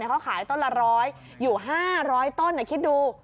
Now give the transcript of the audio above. เขาขายต้นละ๑๐๐อยู่๕๐๐ต้นคิดดู